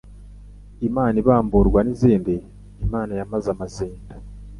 Mana ibamburwa n'izindi Imana yamaze amazinda.